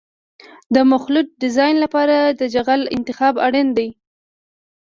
د مخلوط د ډیزاین لپاره د جغل انتخاب اړین دی